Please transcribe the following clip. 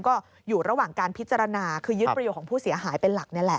ก็อยู่ระหว่างการพิจารณาคือยึดประโยชนของผู้เสียหายเป็นหลักนี่แหละ